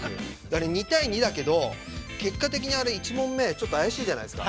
２対２だけど、結果的に１問目ちょっと怪しいじゃないですか。